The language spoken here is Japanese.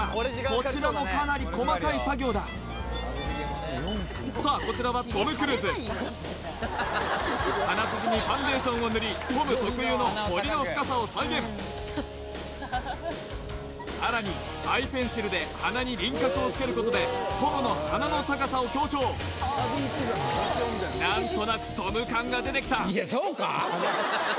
こちらもかなり細かい作業ださあこちらはトム・クルーズ鼻筋にファンデーションを塗りトム特有の彫りの深さを再現さらにアイペンシルで鼻に輪郭をつけることでトムの鼻の高さを強調何となくトム感が出てきた